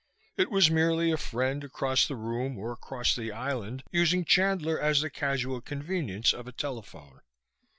It was merely a friend, across the room or across the island, using Chandler as the casual convenience of a telephone.